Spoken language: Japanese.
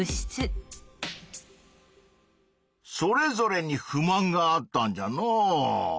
それぞれに不満があったんじゃのう。